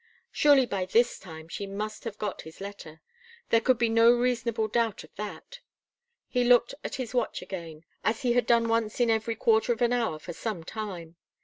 Surely by this time she must have got his letter. There could be no reasonable doubt of that. He looked at his watch again, as he had done once in every quarter of an hour for some time.